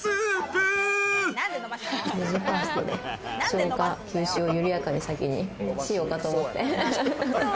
消化・吸収を緩やかに、先にしようかと思って。